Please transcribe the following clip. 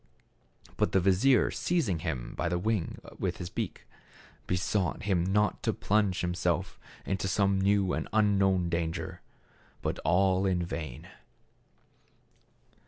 But the vizier seizing him by the wing with his beak, besought him not to plunge him self into some new and unknown danger. But all in vain.